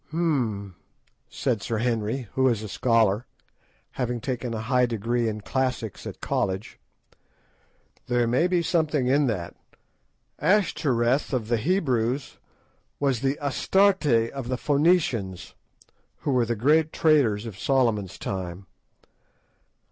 "Hum," said Sir Henry, who is a scholar, having taken a high degree in classics at college, "there may be something in that; Ashtoreth of the Hebrews was the Astarte of the Phoenicians, who were the great traders of Solomon's time.